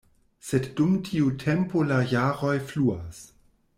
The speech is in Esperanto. Sed dum tiu tempo la jaroj fluas.